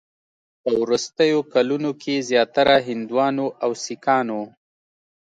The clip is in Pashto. په وروستیو کلونو کې زیاتره هندوانو او سیکانو